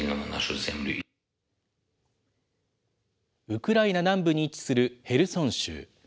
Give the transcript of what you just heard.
ウクライナ南部に位置するヘルソン州。